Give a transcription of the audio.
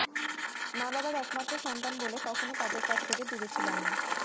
মা–বাবার একমাত্র সন্তান বলে কখনো তাঁদের কাছ থেকে দূরে ছিলাম না।